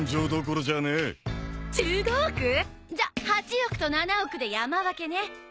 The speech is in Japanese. じゃあ８億と７億で山分けね。